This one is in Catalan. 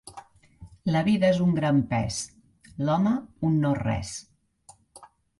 La vida és un gran pes: l'home un no res.